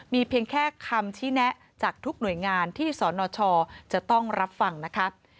มีเพียงแค่คำชี้แนะจากทุกหน่วยงานที่สนชจะต้องรับฟังนะคะ